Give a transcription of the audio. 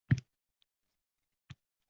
Jang aro tikmaymiz siz uchun jonni.